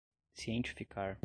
cientificar